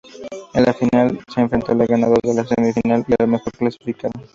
En la final se enfrentará el ganador de la semifinal y el mejor clasificado.